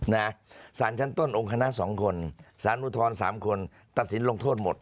นะสารชั้นต้นองค์คณะ๒คนสารอุทธรณ์สามคนตัดสินลงโทษหมด